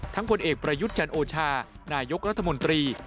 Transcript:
ผลเอกประยุทธ์จันโอชานายกรัฐมนตรี